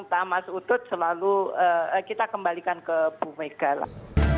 mas bambang mas utut selalu kita kembalikan ke bu megawati